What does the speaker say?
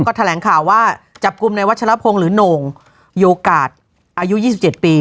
ก็แถลงข่าวว่าจับกลุ่มในวัชลพงศ์หรือโหน่งโยกาศอายุ๒๗ปี